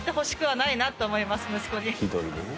ひどいね。